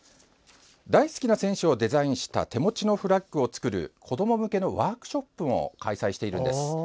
大好きな選手をデザインした手持ちのフラッグを作る子ども向けのワークショップも開催しているんです。